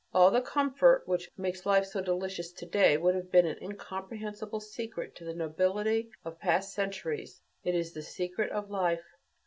All the comfort which makes life so delicious to day would have been an incomprehensible secret to the nobility of past centuries. It is the secret of life.